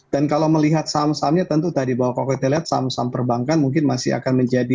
dan kalau melihat saham sahamnya tentu tadi bahwa kalau kita lihat saham saham perbankan mungkin masih akan menjadi